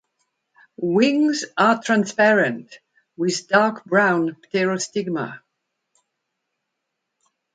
Wings are transparent with dark brown pterostigma.